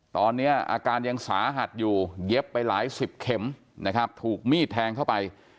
ตอนนี้อาการยังสาหัสอยู่เย็บไปหลายสิบเข็มนะครับถูกมีดแทงเข้าไป